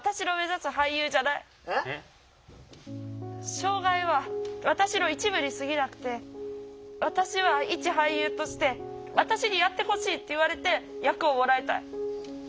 障害は私の一部にすぎなくて私は一俳優として私にやってほしいって言われて役をもらいたい。